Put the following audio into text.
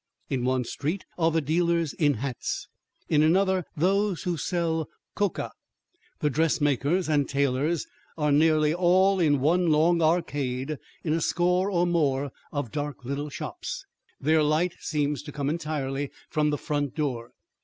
In one street are the dealers in hats; in another those who sell coca. The dressmakers and tailors are nearly all in one long arcade in a score or more of dark little shops. Their light seems to come entirely from the front door.